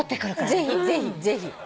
ぜひぜひぜひ。